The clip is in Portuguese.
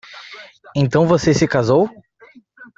Então você se casou?